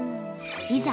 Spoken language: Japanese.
いざ